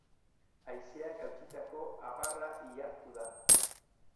Haizeak hautsitako abarra ihartu da.